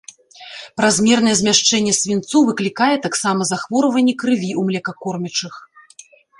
Празмернае змяшчэнне свінцу выклікае таксама захворванні крыві ў млекакормячых.